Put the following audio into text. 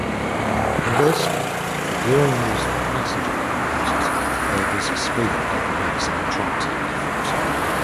Conversely, the gearing used with passenger locomotives favors speed over maximum tractive effort.